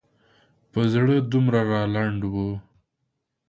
په زړه دومره رالنډ و.